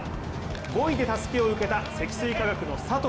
５位でたすきを受けた積水化学の佐藤。